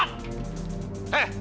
aduh eh bu